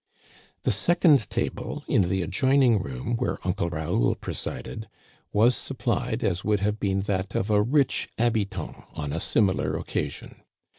The second table in the adjoining room, where Uncle Raoul presided, was supplied as would, have been that of a rich habitant on a similar occasion.